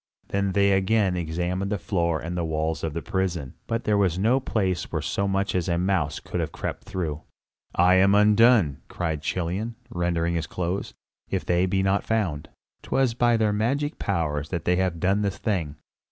Then they again examined the floor and the walls of the prison; but there was no place where so much as a mouse could have crept through. "I am undone!" cried Chilion, rending his clothes, "if they be not found. 'Twas by their magic powers that they have done this thing.